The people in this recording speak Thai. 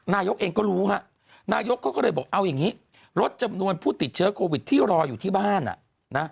นายกเองก็รู้ฮะนายกเขาก็เลยบอกเอาอย่างนี้ลดจำนวนผู้ติดเชื้อโควิดที่รออยู่ที่บ้านอ่ะนะ